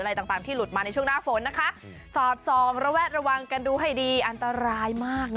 เลี้ยงใบอนุญาต